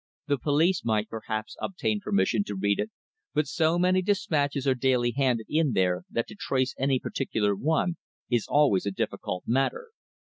The police might perhaps obtain permission to read it, but so many dispatches are daily handed in there that to trace any particular one is always a difficult matter.